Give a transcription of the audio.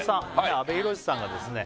阿部寛さんがですね